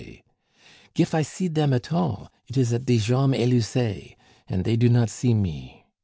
Gif I see dem at all, it is at die Jambs Elusees, und dey do not see me...